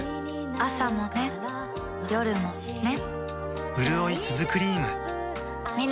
朝もね、夜もね